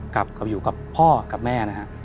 กลับไปอยู่กับพ่อกับแม่นะฮะ